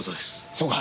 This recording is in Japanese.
そうか。